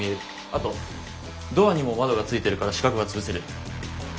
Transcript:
あとドアにも窓がついてるから死角は潰せる。